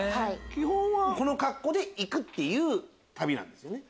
基本はこの格好で行く旅なんですよね？